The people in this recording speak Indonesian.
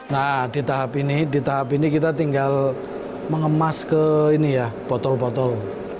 nah di tahap ini kita tinggal mengemas ke botol botol